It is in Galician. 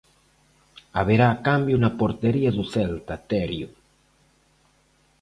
Haberá cambio na portería do Celta, Terio.